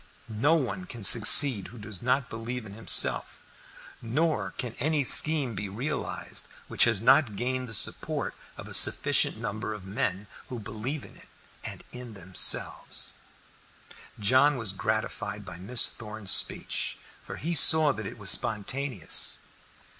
No one can succeed who does not believe in himself, nor can any scheme be realized which has not gained the support of a sufficient number of men who believe in it and in themselves. John was gratified by Miss Thorn's speech, for he saw that it was spontaneous.